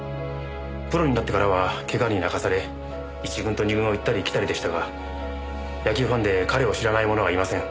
プロになってからは怪我に泣かされ１軍と２軍を行ったり来たりでしたが野球ファンで彼を知らない者はいません。